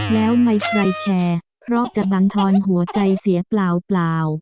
แล้วไม่มีใครแคร์เพราะจะบรรทอนหัวใจเสียเปล่า